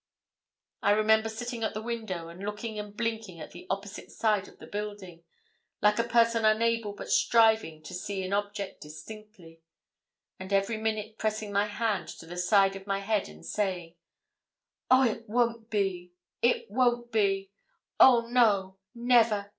I remember sitting at the window, and looking and blinking at the opposite side of the building, like a person unable but striving to see an object distinctly, and every minute pressing my hand to the side of my head and saying 'Oh, it won't be it won't be Oh no! never!